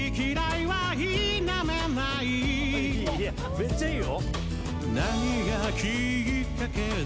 めっちゃいいよ！